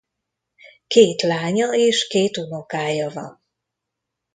Két lánya és két unokája van.